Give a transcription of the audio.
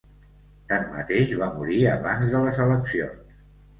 Tanmateix, va morir abans de les eleccions.